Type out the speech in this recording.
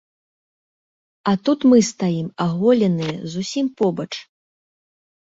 А тут мы стаім аголеныя, зусім побач.